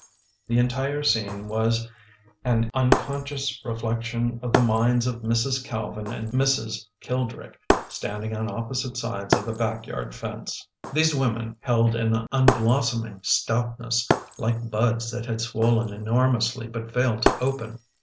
The entire scene was an unconscious reflec tion of the minds of Mrs. Calvin and Mrs. Kildrick, standing on opposite sides of a back yard fence. These women held an unblossoming stoutness, like buds that had swollen enormously but failed to open.